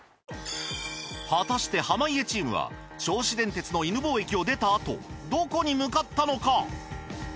果たして濱家チームは銚子電鉄の犬吠駅を出たあとどこに向かったのか！？